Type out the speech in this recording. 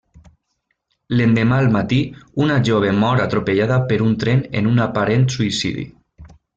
L'endemà al matí, una jove mor atropellada per un tren en un aparent suïcidi.